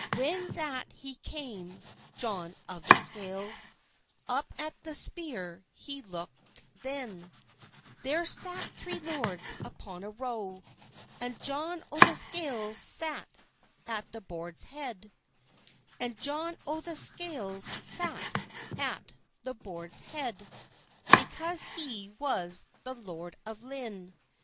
When that he came John of the Scales, Up at the speere he looked then; There sate three lords upon a rowe, And John o' the Scales sate at the bord's head, And John o' the Scales sate at the bord's head Because he was the lord of Lynne.